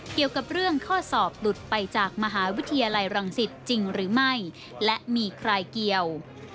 เกี่ยวกับเรื่องข้อสอบหลุดไปจากมหาวิทยาลัยรังสิตจริงหรือไม่และมีใครเกี่ยว